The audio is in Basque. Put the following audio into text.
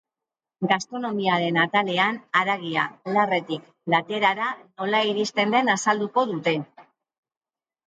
Gastronomiaren atalean haragia, larretik platerara nola iristen den azalduko dute.